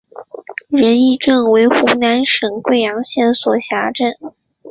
仁义镇为湖南省桂阳县所辖镇。